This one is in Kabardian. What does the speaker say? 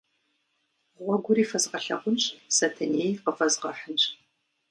Гъуэгури фэзгъэлъагъунщ, Сэтэнеи къывэзгъэхьынщ.